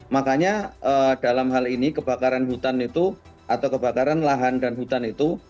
makanya dalam hal ini kebakaran hutan itu atau kebakaran lahan dan hutan itu